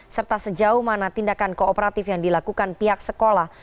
serta sejauh mana tindakan kooperatif yang dilakukan pihak sekolah